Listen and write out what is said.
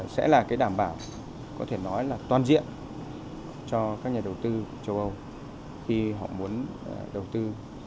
sẽ là cái đảm bảo có thể nói là toàn diện cho các nhà đầu tư châu âu